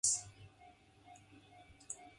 The replenishment of shells is automated.